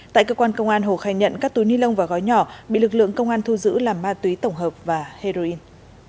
tại cơ quan công an hồ khai nhận các túi ni lông và gói nhỏ bị lực lượng công an thu giữ là ma túy tổng hợp và heroin